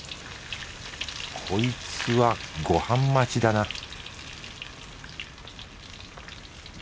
こいつはご飯待ちだな